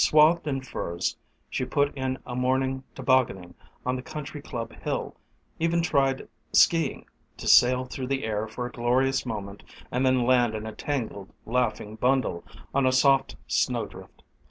Swathed in furs she put in a morning tobogganing on the country club hill; even tried skiing, to sail through the air for a glorious moment and then land in a tangled laughing bundle on a soft snow drift.